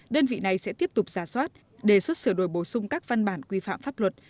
đơn vị này sẽ tiếp tục giả soát đề xuất sửa đổi bổ sung các văn bản quy phạm pháp luật